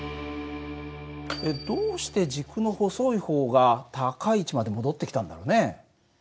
どうして軸の細い方が高い位置まで戻ってきたんだろうね？